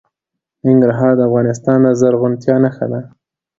ننګرهار د افغانستان د زرغونتیا نښه ده.